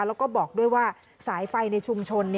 แล้วก็บอกด้วยว่าสายไฟในชุมชน